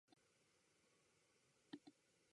そんなことあるかい